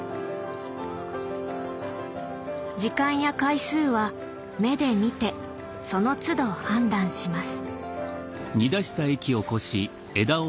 時間や回数は目で見てそのつど判断します。